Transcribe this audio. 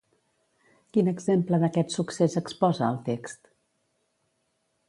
Quin exemple d'aquest succés exposa, el text?